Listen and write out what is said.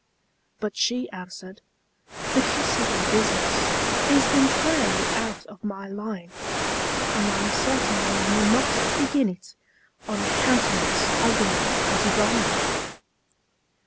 But she answered, "The kissing business Is entirely out of my line; And I certainly will not begin it On a countenance ugly as thine!"